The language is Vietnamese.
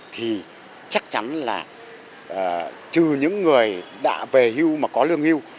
thì chắc chắn là trừ những người đã về hưu mà có lương hưu